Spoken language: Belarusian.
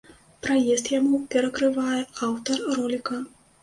Праезд яму перакрывае аўтар роліка.